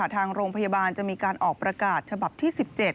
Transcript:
ทางโรงพยาบาลจะมีการออกประกาศฉบับที่๑๗